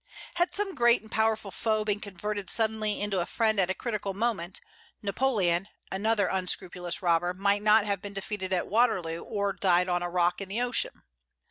Had some great and powerful foe been converted suddenly into a friend at a critical moment, Napoleon, another unscrupulous robber, might not have been defeated at Waterloo, or died on a rock in the ocean.